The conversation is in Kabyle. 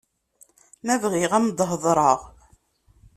Ma bɣiɣ ad m-heḍreɣ.